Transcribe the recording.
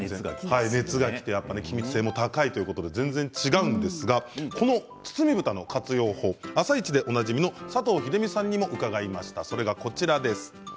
気密性も高いということで全然違うんですが包みぶたの活用法「あさイチ」でおなじみの佐藤秀美さんにも伺いました。